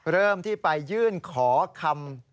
เริ่มที่ไปยื่นขอคำ